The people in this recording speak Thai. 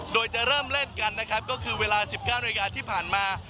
โดยจะเริ่มเล่นกันนะครับก็คือเวลา๑๙นาฬิกาที่ผ่านมา